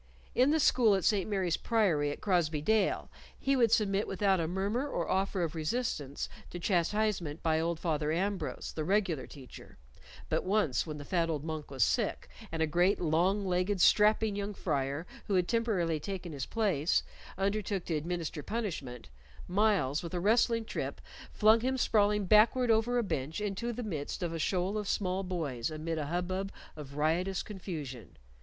In the school at St. Mary's Priory at Crosbey Dale he would submit without a murmur or offer of resistance to chastisement by old Father Ambrose, the regular teacher; but once, when the fat old monk was sick, and a great long legged strapping young friar, who had temporarily taken his place, undertook to administer punishment, Myles, with a wrestling trip, flung him sprawling backward over a bench into the midst of a shoal of small boys amid a hubbub of riotous confusion.